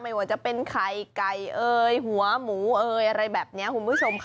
ไม่ว่าจะเป็นไข่ไก่เอ่ยหัวหมูเอยอะไรแบบนี้คุณผู้ชมค่ะ